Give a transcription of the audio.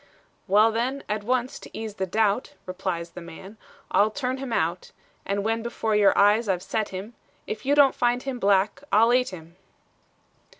"Well, then, at once to ease the doubt," Replies the man, "I'll turn him out: And when before your eyes I've set him, If you don't find him black, I'll eat him."